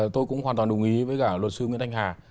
tôi cũng hoàn toàn đồng ý với cả luật sư nguyễn thanh hà